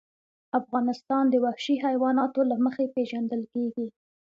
افغانستان د وحشي حیواناتو له مخې پېژندل کېږي.